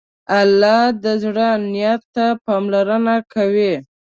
الله د زړه نیت ته پاملرنه کوي.